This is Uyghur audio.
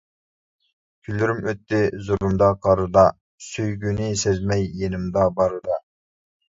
كۈنلىرىم ئۆتتى زۇلۇمدا-قارىدا، سۆيگۈنى سەزمەي يېنىمدا بارىدا.